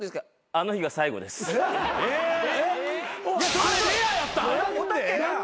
あれレアやったん？